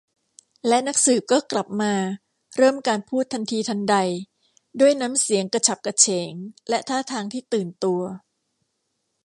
และนักสืบก็กลับมาเริ่มการพูดทันทีทันใดด้วยน้ำเสียงกระฉับกระเฉงและท่าทางที่ตื่นตัว